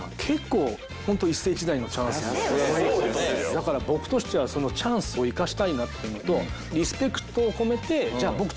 だから僕としてはそのチャンスを生かしたいなっていうのとリスペクトを込めて「じゃあ僕ちょっと追いパーマします」と。